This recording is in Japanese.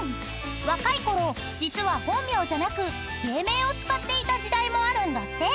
［若いころ実は本名じゃなく芸名を使っていた時代もあるんだって］